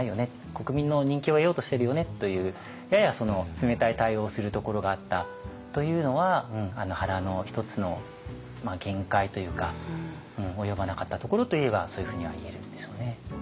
「国民の人気を得ようとしてるよね」というやや冷たい対応をするところがあったというのは原の一つの限界というか及ばなかったところといえばそういうふうには言えるんでしょうね。